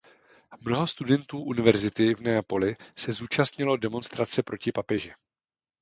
Mnoho studentů Univerzity v Neapoli se zúčastnilo demonstrace proti papeži.